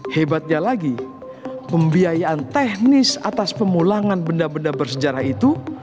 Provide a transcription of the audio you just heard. hebatnya lagi pembiayaan teknis atas pemulangan benda benda bersejarah itu